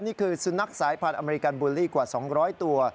นี่คือสุนัขสายพันธ์อเมริกันบูลลี่กว่า๒๐๐ตัว